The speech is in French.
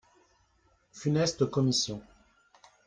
Funeste commission